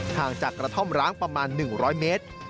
ห่างจากกระท่อมร้างประมาณ๑๐๐เมตร